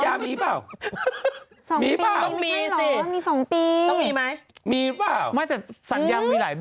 อ้าแม่โมทพร้อมใช่ไหมครับ